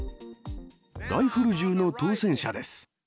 ライフル銃の当せん者です。